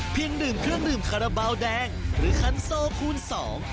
ดื่มเครื่องดื่มคาราบาลแดงหรือคันโซคูณสอง